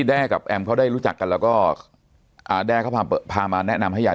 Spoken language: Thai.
แด้กับแอมเขาได้รู้จักกันแล้วก็อ่าแด้เขาพามาแนะนำให้ยาย